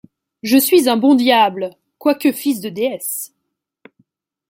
je suis un bon diable, quoique fils de déesse!